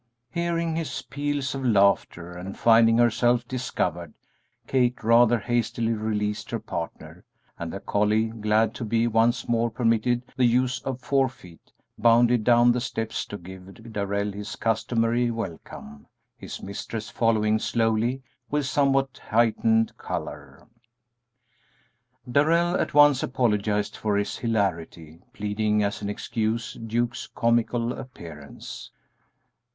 Hearing his peals of laughter and finding herself discovered, Kate rather hastily released her partner, and the collie, glad to be once more permitted the use of four feet, bounded down the steps to give Darrell his customary welcome, his mistress following slowly with somewhat heightened color. Darrell at once apologized for his hilarity, pleading as an excuse Duke's comical appearance.